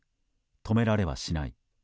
止められはしない。